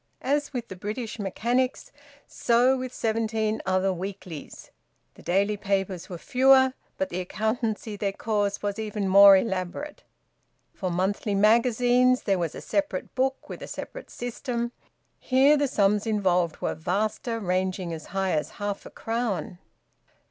As with the "British Mechanics," so with seventeen other weeklies. The daily papers were fewer, but the accountancy they caused was even more elaborate. For monthly magazines there was a separate book with a separate system; here the sums involved were vaster, ranging as high as half a crown.